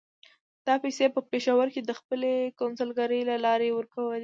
دا پیسې یې په پېښور کې د خپلې کونسلګرۍ له لارې ورکولې.